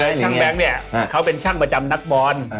ช่างแบงค์เนี่ยเขาเป็นช่างประจำนักบอล